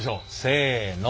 せの。